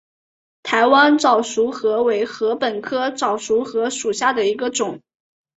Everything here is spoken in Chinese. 台湾早熟禾为禾本科早熟禾属下的一个种。